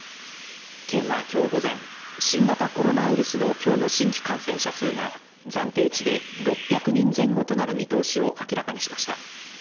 県は、きょう午前新型コロナウイルスのきょうの新規感染者数が暫定値で６００人前後となる見通しを明らかにしました。